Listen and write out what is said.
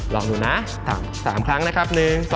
ลองดูนะ๓ครั้งนะครับ